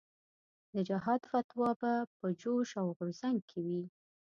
د جهاد فتوا به په جوش او غورځنګ کې وي.